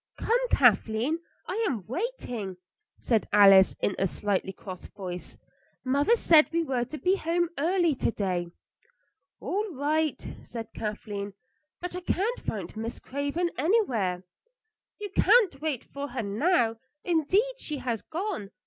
"Come, Kathleen; I am waiting," said Alice in a slightly cross voice. "Mother said we were to be home early to day." "All right," said Kathleen; "but I can't find Miss Craven anywhere. "You can't wait for her now. Indeed, she has gone.